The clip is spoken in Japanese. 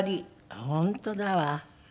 本当だわ。